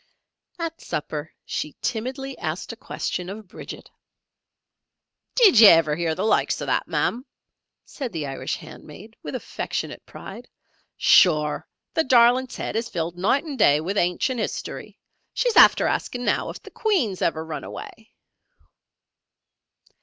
At supper, she timidly asked a question of Bridget. "Did ye ever hear the loikes uv that, Ma'am," said the Irish handmaid with affectionate pride, "Shure the darlint's head is filled noight and day with ancient history. She's after asking me now if Queen's ever run away!"